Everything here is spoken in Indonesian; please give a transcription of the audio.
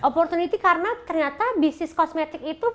opportunity karena ternyata bisnis kosmetik itu